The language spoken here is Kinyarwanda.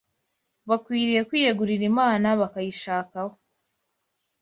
Bakwiriye kwiyegurira Imana, bakayishakaho